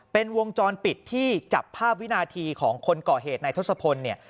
เป็นวงจรปิดที่จับภาพวินาทีของคนก่อเหตุในทศพลเนี่ย